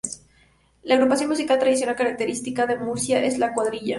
La agrupación musical tradicional característica de Murcia es la cuadrilla.